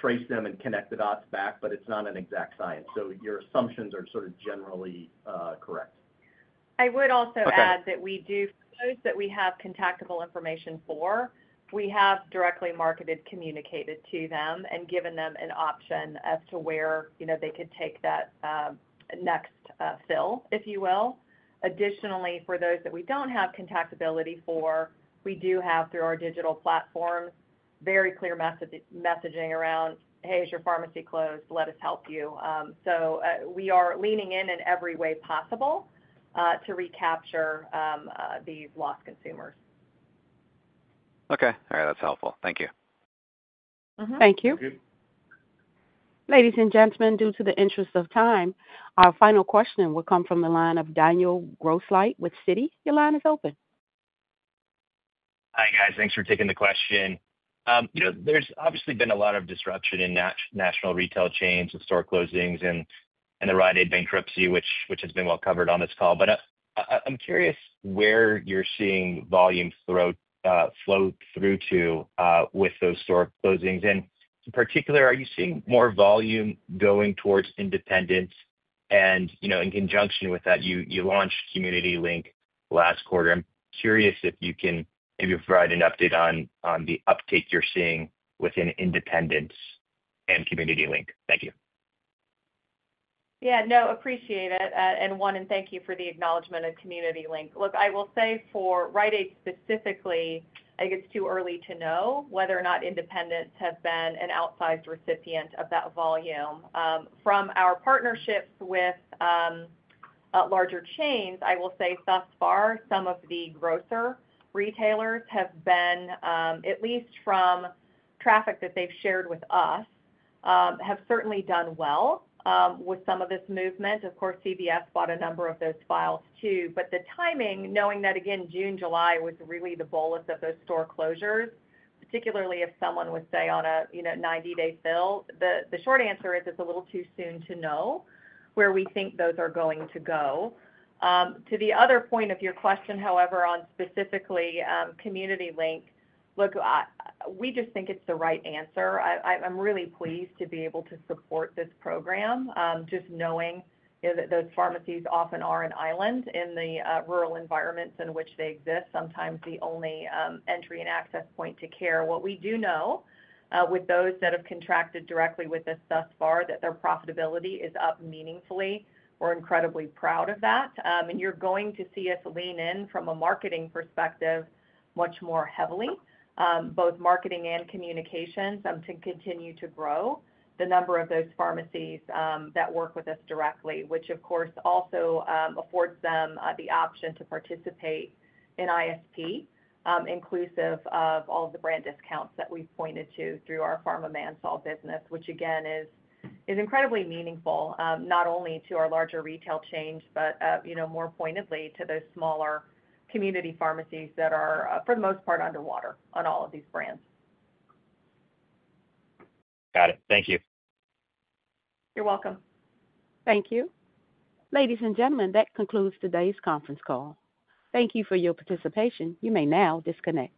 Speaker 4: trace them and connect the dots back, but it's not an exact science. Your assumptions are sort of generally correct.
Speaker 3: I would also add that we do, for those that we have contactable information for, we have directly marketed, communicated to them, and given them an option as to where, you know, they could take that next fill, if you will. Additionally, for those that we don't have contactability for, we do have, through our digital platform, very clear messaging around, "Hey, is your pharmacy closed? Let us help you." We are leaning in in every way possible to recapture these lost consumers.
Speaker 12: Okay. All right. That's helpful. Thank you.
Speaker 1: Thank you. Ladies and gentlemen, due to the interest of time, our final question will come from the line of Daniel Grosslight with Citi. Your line is open.
Speaker 13: Hi, guys. Thanks for taking the question. There's obviously been a lot of disruption in national retail chains and store closings and the Rite Aid bankruptcy, which has been well covered on this call. I'm curious where you're seeing volume float through to with those store closings. In particular, are you seeing more volume going towards independents? In conjunction with that, you launched GoodRx Community Link last quarter. I'm curious if you can maybe provide an update on the uptake you're seeing within independents and GoodRx Community Link. Thank you.
Speaker 3: Yeah, no, appreciate it. Thank you for the acknowledgment of GoodRx Community Link. Look, I will say for Rite Aid specifically, I think it's too early to know whether or not independents have been an outsized recipient of that volume. From our partnerships with larger chains, I will say thus far, some of the grocer retailers have been, at least from traffic that they've shared with us, have certainly done well with some of this movement. Of course, CVS bought a number of those files too. The timing, knowing that again, June, July was really the bolus of those store closures, particularly if someone would say on a 90-day fill, the short answer is it's a little too soon to know where we think those are going to go. To the other point of your question, however, on specifically GoodRx Community Link, look, we just think it's the right answer. I'm really pleased to be able to support this program, just knowing that those pharmacies often are an island in the rural environments in which they exist, sometimes the only entry and access point to care. What we do know with those that have contracted directly with us thus far, that their profitability is up meaningfully. We're incredibly proud of that. You're going to see us lean in from a marketing perspective much more heavily, both marketing and communications, to continue to grow the number of those pharmacies that work with us directly, which of course also affords them the option to Integrated Savings Programs, inclusive of all of the brand discounts that we've pointed to through Pharma Manufacturer Solutions business, which again is incredibly meaningful, not only to our larger retail chains, but more pointedly to those smaller community pharmacies that are for the most part underwater on all of these brands.
Speaker 13: Got it. Thank you.
Speaker 3: You're welcome.
Speaker 1: Thank you. Ladies and gentlemen, that concludes today's conference call. Thank you for your participation. You may now disconnect.